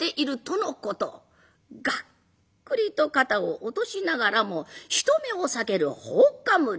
がっくりと肩を落としながらも人目を避けるほっかむり。